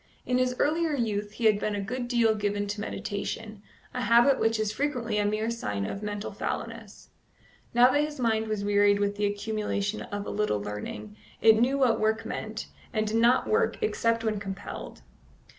In his earlier youth he had been a good deal given to meditation, a habit which is frequently a mere sign of mental fallowness; now that his mind was wearied with the accumulation of a little learning, it knew what work meant, and did not work except when compelled.